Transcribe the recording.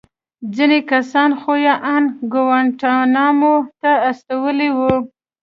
ځينې کسان خو يې ان گوانټانامو ته استولي وو.